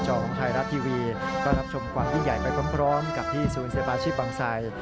ก็นับชมความยิ่งใหญ่ไปพร้อมกับที่ศูนย์เสบาชิปวังไซด์